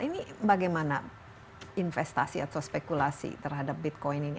ini bagaimana investasi atau spekulasi terhadap bitcoin ini